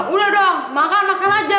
udah dong makan makan aja